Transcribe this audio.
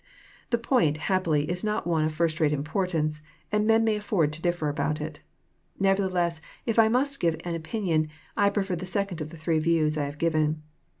The point, happily, is not one of first rate importance, and men may afford to differ about it. Nevertheless if I must give an opinion, I prefer the second of the three views I have given.